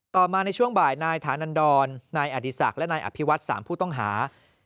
ต่อมาในช่วงบ่ายนายฐานันดรนายอดีศักดิ์และนายอภิวัต๓ผู้ต้องหา